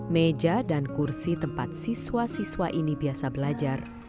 meja dan kursi tempat siswa siswa ini biasa belajar